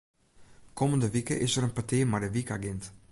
Kommende wike is der in petear mei de wykagint.